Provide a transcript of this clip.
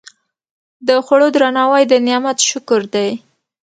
د خوړو درناوی د نعمت شکر دی.